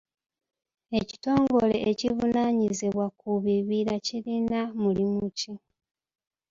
Ekitongole ekivunaanyizibwa ku bibira kirina mulimu ki?